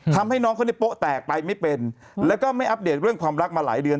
ทำให้น้องเขาเนี่ยโป๊ะแตกไปไม่เป็นแล้วก็ไม่อัปเดตเรื่องความรักมาหลายเดือน